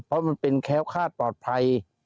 เพราะมันเป็นแค้วคาดปลอดภัย